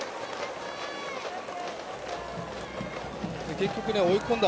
結局追い込んだ